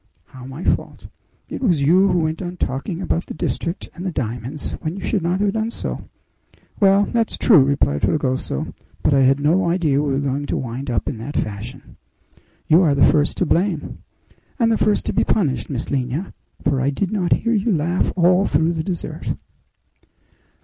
"How my fault?" "It was you who went on talking about the district and the diamonds, when you should not have done so." "Well, that's true," replied Fragoso; "but I had no idea we were going to wind up in that fashion." "You are the first to blame!" "And the first to be punished, Miss Lina; for I did not hear you laugh all through the dessert."